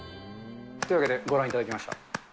というわけでご覧いただきました。